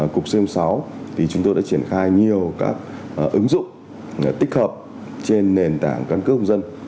cục xem sáu chúng tôi đã triển khai nhiều ứng dụng tích hợp trên nền tảng cân cước công dân